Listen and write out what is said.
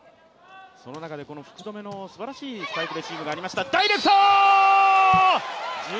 その中で、この福留のすばらしいサーブレシーブがありました。